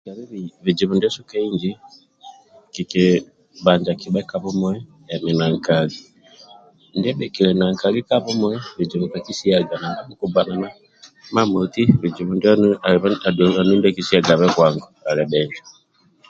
Bhijibhu ndyasu kahinji kikibhanja kibhe kabhumui emi nankali ndyebhikili nankali ka bhumui bhijibhu kakisiyaga kubganana mamoti andulu bhijibhu ndyanu ndia kisiagabhe bwangu